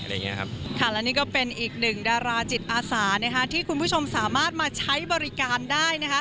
และนี่ก็เป็นอีกหนึ่งดาราจิตอาสาที่คุณผู้ชมสามารถมาใช้บริการได้